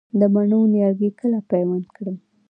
د مڼو نیالګي کله پیوند کړم؟